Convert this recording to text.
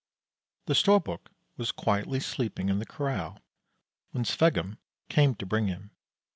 The Storbuk was quietly sleeping in the corral when Sveggum came to bring him.